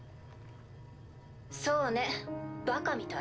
そうねバカみたい。